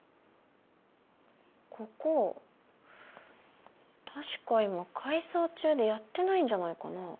ここ確か今改装中でやってないんじゃないかなあ。